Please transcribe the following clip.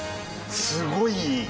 すごい良い！